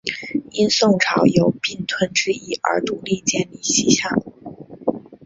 因宋朝有并吞之意而独立建立西夏国。